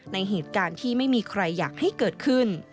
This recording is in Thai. ในเหตุการณ์ที่ไม่มีใครอยากให้เกิดขึ้น